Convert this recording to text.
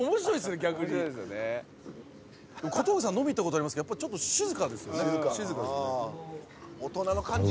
逆に小峠さん飲み行ったことありますけどやっぱりちょっと静かですよね